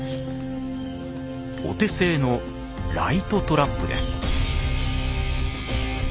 お手製のライトトラップです。